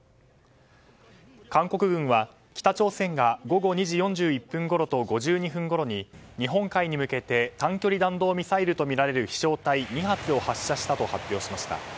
韓国軍は北朝鮮が午後２時４１分ごろと５２分ごろに日本海に向けて短距離弾道ミサイルとみられる飛翔体２発を発射したと発表しました。